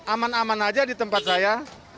aman aman aja di tempat saya